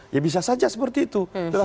ya bisa saja seperti itu